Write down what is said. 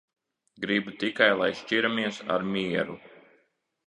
Gribu tikai, lai šķiramies ar mieru.